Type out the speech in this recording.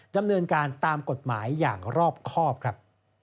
ดำเนินการตามกฎหมายอย่างรอบครอบครับ